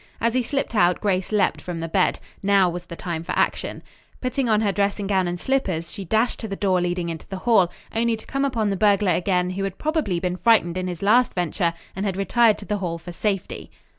As he slipped out Grace leaped from the bed. Now was the time for action. Putting on her dressing gown and slippers she dashed to the door leading into the hall, only to come upon the burglar again who had probably been frightened in his last venture and had retired to the hall for safety.